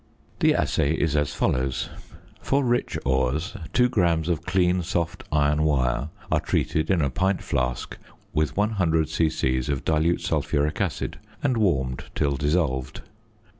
The assay is as follows: For rich ores, 2 grams of clean soft iron wire are treated, in a pint flask, with 100 c.c. of dilute sulphuric acid and warmed till dissolved.